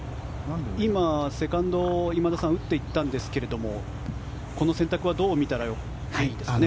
今、セカンド今田さん、打っていったんですがこの選択はどう見たらいいですかね？